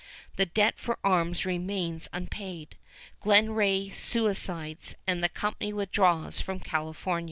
The debt for the arms remains unpaid. Glen Rae suicides, and the company withdraws from California.